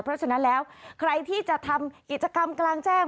เพราะฉะนั้นแล้วใครที่จะทำกิจกรรมกลางแจ้ง